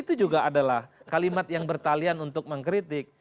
itu juga adalah kalimat yang bertalian untuk mengkritik